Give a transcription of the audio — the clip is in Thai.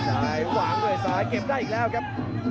ซ้ายวางด้วยซ้ายเก็บได้อีกแล้วครับ